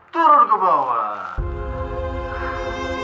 turun ke bawah